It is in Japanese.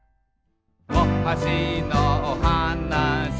「おはしのおはなし」